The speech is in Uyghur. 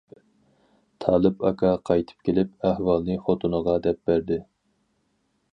تالىپ ئاكا قايتىپ كېلىپ ئەھۋالنى خوتۇنىغا دەپ بەردى.